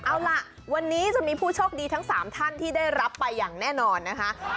เอาล่ะวันนี้จะมีผู้โชคดีทั้ง๓ท่านที่ได้รับไปอย่างแน่นอนนะคะ